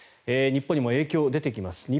日本にも影響が出てきます。